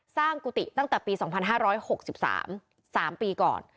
สร้างกุฏิตั้งแต่ปีสองพันห้าร้อยหกสิบสามสามปีก่อน